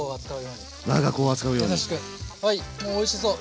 もうおいしそう。